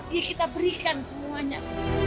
iya kita berikan semuanya